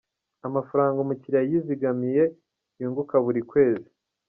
Amafaranga umukiriya yizigamiye yunguka buri kwezi.